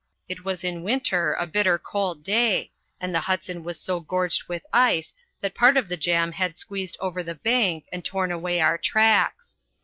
It was in winter, a bitter cold day, and the Hudson was so gorged with ice that part of the jam had squeezed over the bank and torn away our tracks.